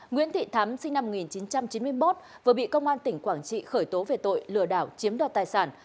nguyễn thị thắm sinh năm một nghìn chín trăm chín mươi một vừa bị công an tỉnh quảng trị khởi tố về tội lừa đảo chiếm đoạt tài sản